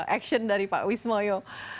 action dari pak wismoyo